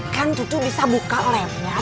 kan cucu bisa buka lemnya